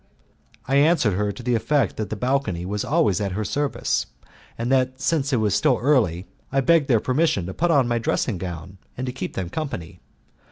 I answered her to the effect that the balcony was always at her service, and that since it was still early I begged their permission to put on my dressing gown and to keep them company.